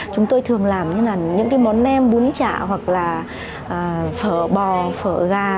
chúng tôi thường làm như là những cái món nem bún chạ hoặc là phở bò phở gà